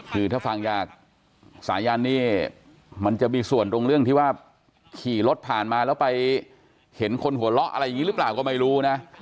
คือถ้าฟังจากสายันนี่มันจะมีส่วนตรงเรื่องที่ว่าขี่รถผ่านมาแล้วไปเห็นคนหัวเราะอะไรอย่างนี้หรือเปล่าก็ไม่รู้นะ